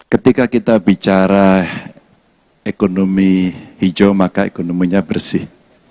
ketika kita bicara ekonomi hijau maka ekonominya bersih